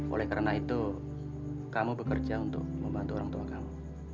oleh karena itu kamu bekerja untuk membantu orang tua kamu